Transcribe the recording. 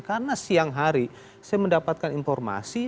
karena siang hari saya mendapatkan informasi